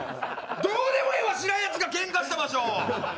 どうでもええわ、知らんやつがけんかした場所。